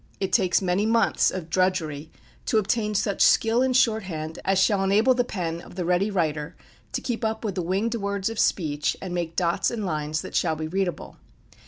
It takes many months of drudgery to obtain such skill in shorthand as shall enable the pen of the ready writer to keep up with the winged words of speech, and make dots and lines that shall be readable.